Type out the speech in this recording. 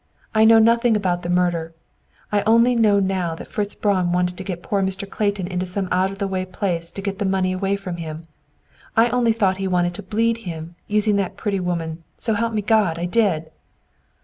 I know nothing about the murder! I only know now that Fritz Braun wanted to get poor Mr. Clayton into some out of the way place to get the money away from him. I only thought that he wanted to bleed him, using that pretty woman, s'help me, God! I did."